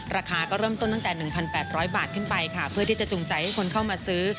ราคาก็เริ่มต้นตั้งแต่๑๘๐๐บาทขึ้นไปค่ะเพื่อที่จะจุงใจให้คนเข้ามาซื้อ